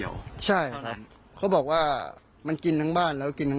ไม่อยากให้แม่เป็นอะไรไปแล้วนอนร้องไห้แท่ทุกคืน